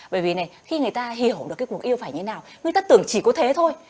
bởi vì này khi người ta hiểu được cái cuộc yêu phải như thế nào nguyên tắc tưởng chỉ có thế thôi